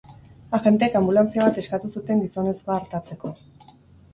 Agenteek anbulantzia bat eskatu zuten gizonezkoa artatzeko.